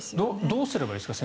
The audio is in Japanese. どうすればいいですか？